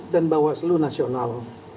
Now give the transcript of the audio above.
dan bawaslu nasional